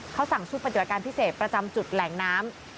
เขาสั่งชุดปฏิบัติการพิเศษประจำจุดแหล่งน้ำ